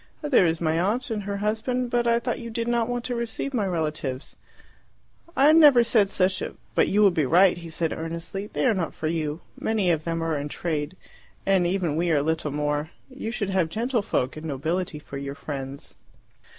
"There is my aunt and her husband; but I thought you did not want to receive my relatives." "I never said such a " "But you would be right," he said earnestly. "They are not for you. Many of them are in trade, and even we are little more; you should have gentlefolk and nobility for your friends."